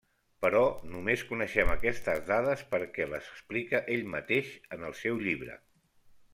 Però només coneixem aquestes dades perquè les explica ell mateix en el seu llibre.